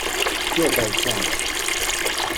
又被骗了